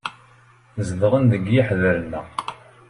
Zedɣen deg yiḥder-nneɣ.